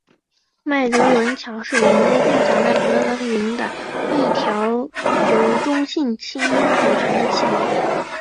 麦哲伦桥是连接大小麦哲伦云的一条由中性氢组成的气流。